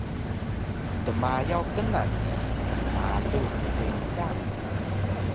dmayaw knan ni smalu ddeynsya mu